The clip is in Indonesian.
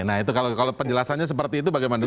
nah itu kalau penjelasannya seperti itu bagaimana